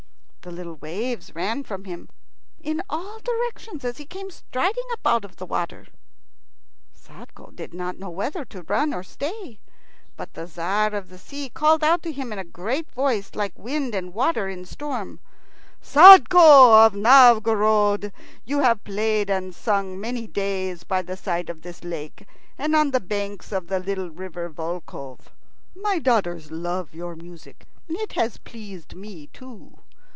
The little waves ran from him in all directions as he came striding up out of the water. Sadko did not know whether to run or stay; but the Tzar of the Sea called out to him in a great voice like wind and water in a storm, "Sadko of Novgorod, you have played and sung many days by the side of this lake and on the banks of the little river Volkhov. My daughters love your music, and it has pleased me too.